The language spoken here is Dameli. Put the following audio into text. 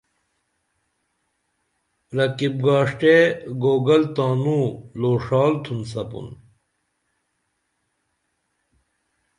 رقیب گاݜٹیہ گوگل تانوں لوݜال تُھن سپُن